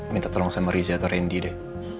minta tolong sama riza atau randy deh